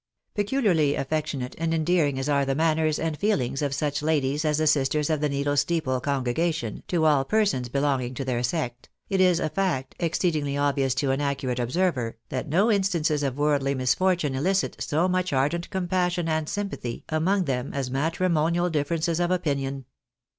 " PecuUarly affectionate and endearing as are the manners and feehngs of such ladies as the sisters of the Needle Steeple congre gation to aU persons belonging to their sect, it is a fact, exceedingly obvious to an accurate observer, that no instances of worldly misfor tune elicit so much ardent compassion and sympathy among them as matrimonial differences of opinion.